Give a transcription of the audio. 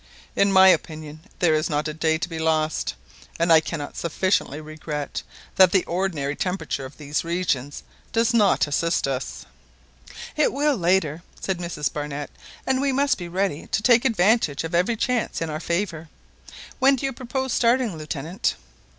In my opinion there is not a day to be lost, and I cannot sufficiently regret that the ordinary temperature of these regions does not assist us." "It will later," said Mrs Barnett, "and we must be ready to take advantage of every chance in our favour. When do you propose starting, Lieutenant?"